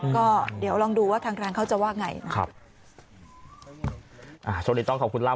ก็เดี๋ยวลองดูว่าทางร้านเขาจะว่าไงครับโชคดีต้อนขอบคุณล่า